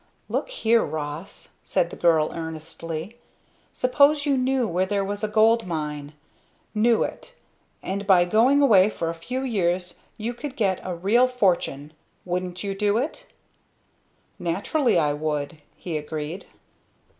"Look here, Ross!" said the girl earnestly. "Suppose you knew where there was a gold mine knew it and by going away for a few years you could get a real fortune wouldn't you do it?" "Naturally I should," he agreed.